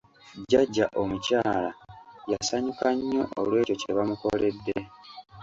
Jjaja omukyala yasanyuka nnyo olw'ekyo kye bamukoledde.